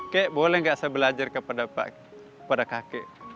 kek boleh nggak saya belajar kepada kakek